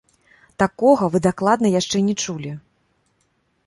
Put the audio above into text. Такога вы дакладна яшчэ не чулі!